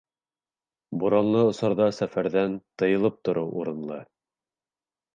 Буранлы осорҙа сәфәрҙәрҙән тыйылып тороу урынлы.